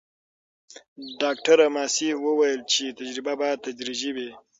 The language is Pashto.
ډاکټره ماسي وویل چې تجربه باید تدریجي وي.